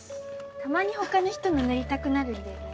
たまに他の人の塗りたくなるんだよね